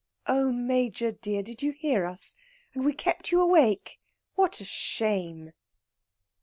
"Oh, Major dear, did you hear us? And we kept you awake? What a shame!"